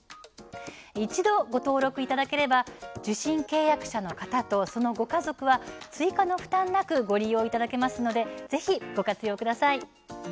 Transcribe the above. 一度、ご登録いただければ受信契約者の方とそのご家族は追加の負担なくご利用いただけますのでぜひご活用ください。